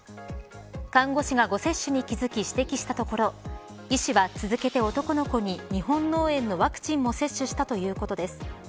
看護師が誤接種に気付き指摘したところ医師は、続けて男の子に日本脳炎のワクチンも接種したということです。